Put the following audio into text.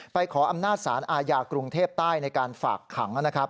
ไปขออำนาจศาลอาญากรุงเทพใต้ในการฝากขัง